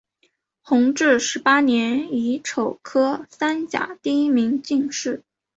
弘治十八年乙丑科三甲第一名进士。